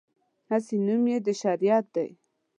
هسې نوم یې د شریعت دی.